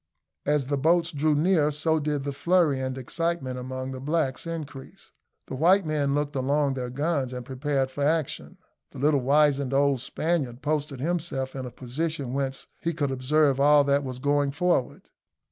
As the boats drew near so did the flurry and excitement among the blacks increase: the white men looked along their guns and prepared for action; the little wizened old Spaniard posted himself in a position whence he could observe all that was going forward.